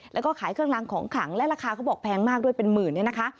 แล้วก็ขายเครื่องรางของขลังและราคาเขาบอกแพงมากด้วยเป็นหมื่นเนี่ยนะคะ